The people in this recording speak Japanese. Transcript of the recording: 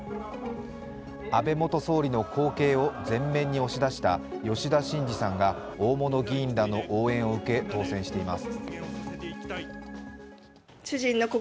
安倍元総理の後継を前面に押し出した吉田真次さんが大物議員らの応援を受け当選しています。